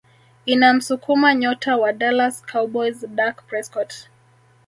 inamsukuma nyota wa Dallas Cowboys Dak Prescott